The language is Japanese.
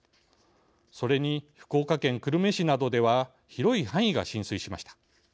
それに福岡県久留米市などでは広い範囲が浸水しました。